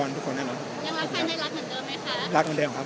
สวัสดีครับขออนุญาตถ้าใครถึงแฟนทีลักษณ์ที่เกิดอยู่แล้วค่ะ